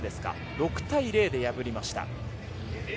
６対０で破りました。